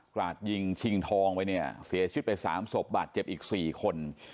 ราดยิงชิงทองไปเนี่ยเสียชีวิตไป๓ศพบาดเจ็บอีก๔คน